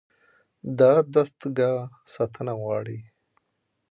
دا دستګاه ساتنه غواړي.